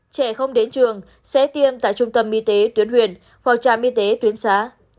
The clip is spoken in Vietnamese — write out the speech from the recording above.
trẻ không đến trường sẽ tiêm tại trung tâm y tế tuyến huyện hoặc trạm y tế tuyến xã